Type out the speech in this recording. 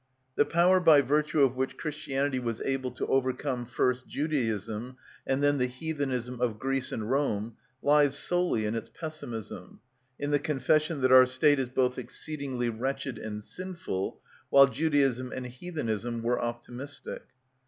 The power by virtue of which Christianity was able to overcome first Judaism, and then the heathenism of Greece and Rome, lies solely in its pessimism, in the confession that our state is both exceedingly wretched and sinful, while Judaism and heathenism were optimistic.